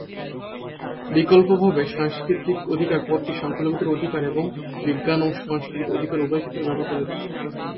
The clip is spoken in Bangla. বিকল্পভাবে, "সাংস্কৃতিক অধিকার" পদটি সংখ্যালঘুদের অধিকার এবং বিজ্ঞান ও সংস্কৃতির অধিকার উভয়ই ক্ষেত্রেই ব্যবহার করা যেতে পারে।